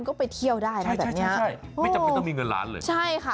ก็ไปเที่ยวได้นะแบบเนี้ยใช่ไม่จำเป็นต้องมีเงินล้านเลยใช่ค่ะ